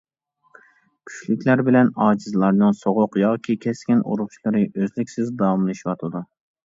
كۈچلۈكلەر بىلەن ئاجىزلارنىڭ سوغۇق ياكى كەسكىن ئۇرۇشلىرى ئۆزلۈكسىز داۋاملىشىۋاتىدۇ.